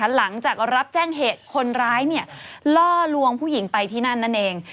หลังจากรับแจ้งเหตุคนร้ายล่อลวงผู้หญิงไปที่นั่นนั่นเอง